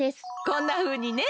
こんなふうにね。